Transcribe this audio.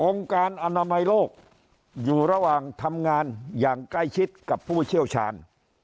การอนามัยโลกอยู่ระหว่างทำงานอย่างใกล้ชิดกับผู้เชี่ยวชาญ